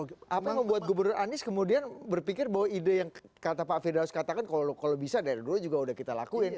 apa yang membuat gubernur anies kemudian berpikir bahwa ide yang kata pak firdaus katakan kalau bisa dari dulu juga udah kita lakuin